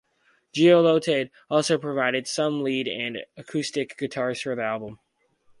Gelotte also provided some lead and acoustic guitars for the album.